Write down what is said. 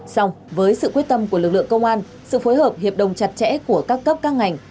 xong với sự quyết tâm của lực lượng công an sự phối hợp hiệp đồng chặt chẽ của các cấp các ngành